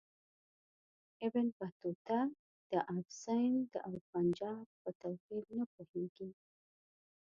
ابن بطوطه د آب سند او پنجاب په توپیر نه پوهیږي.